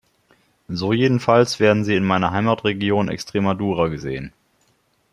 So jedenfalls werden Sie in meiner Heimatregion Extremadura gesehen.